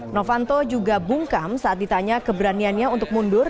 novanto juga bungkam saat ditanya keberaniannya untuk mundur